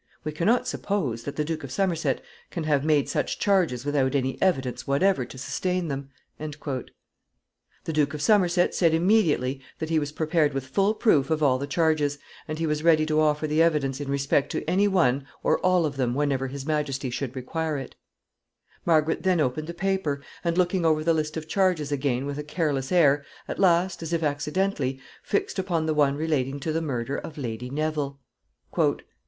We can not suppose that the Duke of Somerset can have made such charges without any evidence whatever to sustain them." The Duke of Somerset said immediately that he was prepared with full proof of all the charges, and he was ready to offer the evidence in respect to any one or all of them whenever his majesty should require it. [Sidenote: Selects a charge.] Margaret then opened the paper, and, looking over the list of charges again with a careless air, at last, as if accidentally, fixed upon the one relating to the murder of Lady Neville.